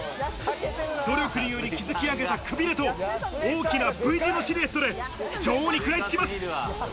努力により築き上げたくびれと、大きなＶ字のシルエットで女王に食らいつきます。